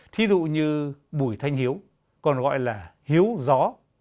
thí dụ như bùi thanh hiếu còn gọi là hiếu gió